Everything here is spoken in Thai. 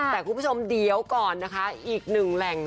แต่คุณผู้ชมเดี๋ยวก่อนนะคะอีกหนึ่งแหล่ง